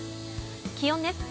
気温です。